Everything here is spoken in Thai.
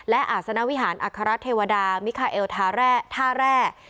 และอาศนวิหารอัครรัฐเทวดามิคาเอลท่าแร่